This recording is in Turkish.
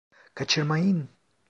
Kaçırmayın!